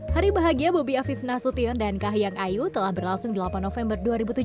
hari bahagia bobi afif nasution dan kahiyang ayu telah berlangsung delapan november dua ribu tujuh belas